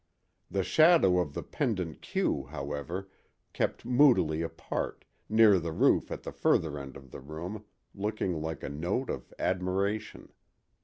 The shadow of the pendent queue, however, kept moodily apart, near the roof at the further end of the room, looking like a note of admiration.